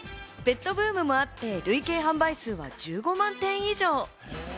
ペットブームもあって累計販売数は１５万点以上。